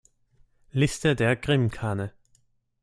Liste der Krim-Khane